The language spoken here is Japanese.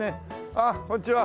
ああこんにちは。